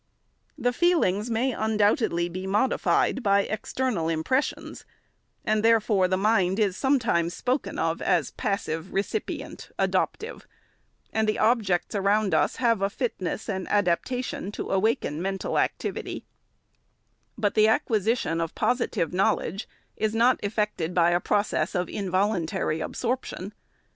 The feelings may undoubtedly be modified by external impressions, and, therefore, the mind is sometimes spoken of as passive, recipient, adoptive ; and the objects around us have a fitness and adaptation to awaken mental activ ity ; but the acquisition of positive knowledge is not effected by a process of involuntary absorption.